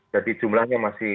jadi jumlahnya masih